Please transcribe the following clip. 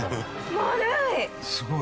丸い！